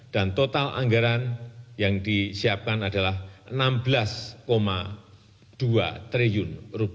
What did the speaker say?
dan total anggaran yang disiapkan adalah rp enam belas dua triliun